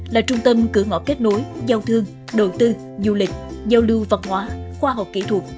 là trung tâm cửa ngõ kết nối giao thương đầu tư du lịch giao lưu văn hóa khoa học kỹ thuật